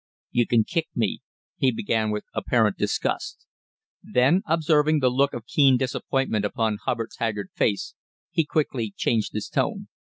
"You can kick me," he began with apparent disgust; then, observing the look of keen disappointment upon Hubbard's haggard face, he quickly changed his tone.